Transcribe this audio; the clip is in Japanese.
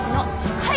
はい！